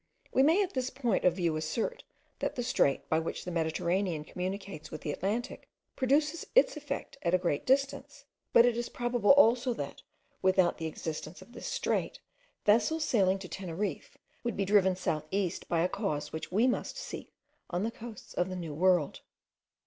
We may in this point of view assert, that the strait, by which the Mediterranean communicates with the Atlantic, produces its effects at a great distance; but it is probable also, that, without the existence of this strait, vessels sailing to Teneriffe would be driven south east by a cause which we must seek on the coasts of the New World.